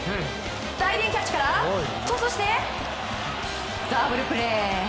ダイビングキャッチからトスしてダブルプレー！